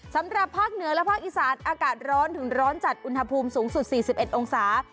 สำหรับภาคเหนือและภาคอีสานอากาศร้อนถึงร้อนจัดอุณหภูมิสูงสุด๔๑องศา